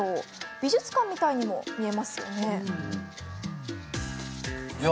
美術館みたいにも見えますよね。